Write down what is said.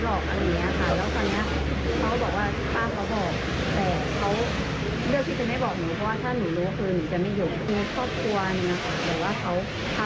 โดนไล่ที่ค่ะแต่หนูไม่รู้ว่า